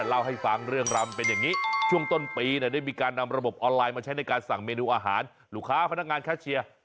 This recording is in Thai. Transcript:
เล่าให้ฟังที่วิวันลำเป็นอย่างงี้